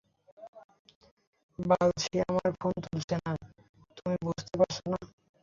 বাল সে আমার ফোন তুলছে না তুমি বুঝতে পারছো না?